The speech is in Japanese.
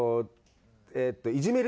いじめる！